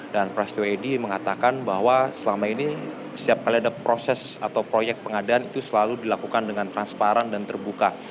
dan prasetyo edi mengatakan bahwa selama ini setiap kali ada proses atau proyek pengadaan itu selalu dilakukan dengan transparan dan terbuka